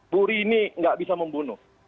buri ini enggak bisa membunuh